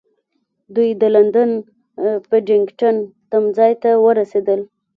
دوی د لندن پډینګټن تمځای ته ورسېدل.